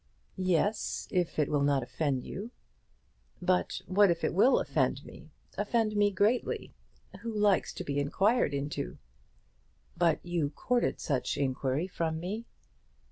"Yes; if it will not offend you." "But what if it will offend me, offend me greatly? Who likes to be inquired into?" "But you courted such inquiry from me."